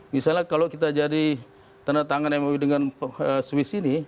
misalnya kalau kita jadi tanda tangan mui dengan swiss ini